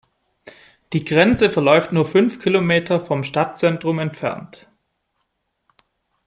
Die Grenze verläuft nur gut fünf Kilometer vom Stadtzentrum entfernt.